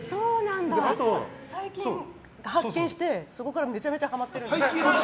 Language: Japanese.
最近発見してそこからめちゃめちゃハマってる。